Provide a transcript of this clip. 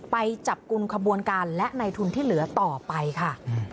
ไปจับกลุ่มขบวนการและในทุนที่เหลือต่อไปค่ะ